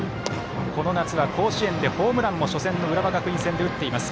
この夏は甲子園でもホームランを初戦の浦和学院戦で打っています。